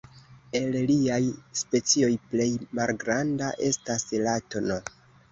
El liaj specioj plej malgranda estas la tn.